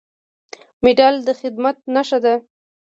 مډال د خدمت نښه ده